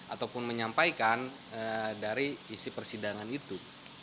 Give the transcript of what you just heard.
ataupun menyampaikan dari isi persidangan itu